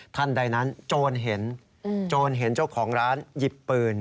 ท่านใดนั้นโจรเห็นโจรเห็นเจ้าของร้านหยิบปืน